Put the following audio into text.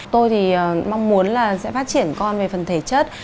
tôi thì mong muốn là sẽ phát triển con về phần thể chất